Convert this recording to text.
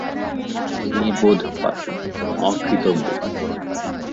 নির্বোধ পাখি, অকৃতজ্ঞ পাখি!